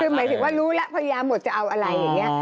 คือหมายถึงว่ารู้แล้วพยันหมดจะเอาอะไร